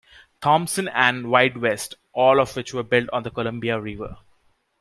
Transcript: Thompson", and "Wide West", all of which were built on the Columbia River.